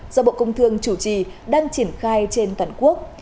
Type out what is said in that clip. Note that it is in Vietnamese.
do bộ công thương chủ trì đang triển khai trên toàn quốc